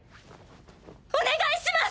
お願いします！